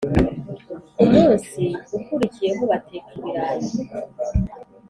Ku munsi ukurikiyeho bateka ibirayi